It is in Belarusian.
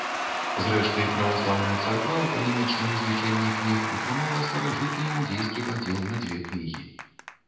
Зрэшты, праваслаўная царква ў кананічным злічэнні кніг утрымала старажытны іўдзейскі падзел на дзве кнігі.